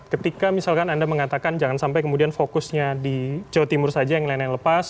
ketika misalkan anda mengatakan jangan sampai kemudian fokusnya di jawa timur saja yang lain lain lepas